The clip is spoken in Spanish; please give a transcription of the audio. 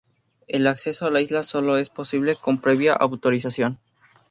El acceso a la isla solo es posible con previa autorización.